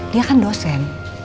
dia kan dosen